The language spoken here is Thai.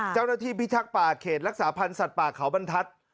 เจ้าหน้าที่พิชักป่าเขตรักษาพันธ์สัตว์ป่าเขาบรรทัศน์